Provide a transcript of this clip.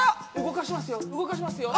動かしますよ。